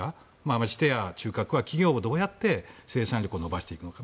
ましてや中核は企業を、どうやって生産力を伸ばしていくのか。